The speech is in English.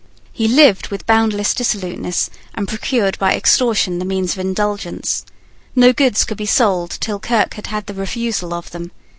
He lived with boundless dissoluteness, and procured by extortion the means of indulgence. No goods could be sold till Kirke had had the refusal of them.